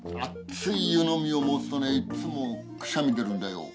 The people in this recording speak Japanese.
熱い湯飲みを持つとねいつもくしゃみ出るんだよ。